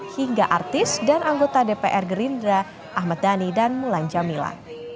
hingga artis dan anggota dpr gerindra ahmad dhani dan mulan jamila